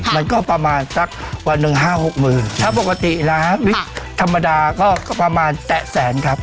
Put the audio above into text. มันก็ประมาณสักวันหนึ่งห้าหกหมื่นถ้าปกติแล้ววิกธรรมดาก็ประมาณแตะแสนครับ